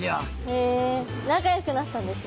へえ仲良くなったんですね！